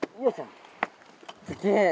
すげえ！